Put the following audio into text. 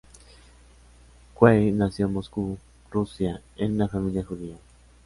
Zweig nació en Moscú, Rusia en una familia judía.